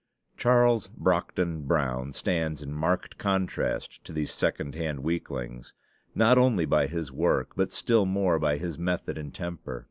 Charles Brockden Brown stands in marked contrast to these second hand weaklings, not only by his work but still more by his method and temper.